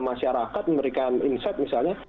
masyarakat memberikan insight misalnya